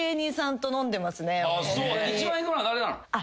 一番行くのは誰なの？